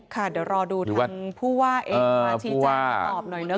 ค่ะเดี๋ยวรอดูทางผู้ว่าเองมาชี้แจงมาตอบหน่อยเนอ